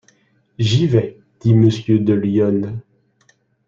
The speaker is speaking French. J'y vais, dit Monsieur de Lyonne.